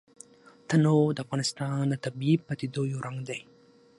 تنوع د افغانستان د طبیعي پدیدو یو رنګ دی.